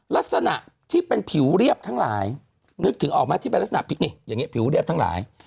ลักษณะที่เป็นผิวเรียบทั้งหลายนึกถึงออกไหมที่เป็นลักษณะผิดนี่อย่างนี้ผิวเรียบทั้งหลาย